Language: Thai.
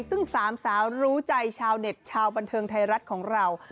ซึ่งสามสาวรู้ใจชาวเน็ตชาวบันเทิงไทยรัฐของเรา